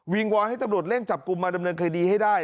วอนให้ตำรวจเร่งจับกลุ่มมาดำเนินคดีให้ได้